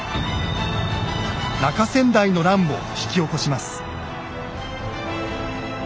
「中先代の乱」を引き起こします。